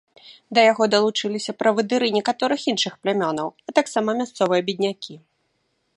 Да яго далучыліся правадыры некаторых іншых плямёнаў, а таксама мясцовыя беднякі.